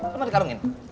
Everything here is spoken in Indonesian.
lu mau dikarungin